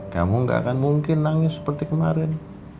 kamu gak akan mungkin nangis seperti kemarin